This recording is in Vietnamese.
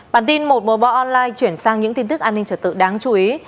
bản tin một mùa bò online chuyển sang những tin tức an ninh trật tự đáng chú ý